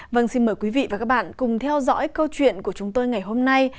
vâng xin mời quý vị và các bạn cùng theo dõi câu chuyện của chúng tôi ngày hôm nay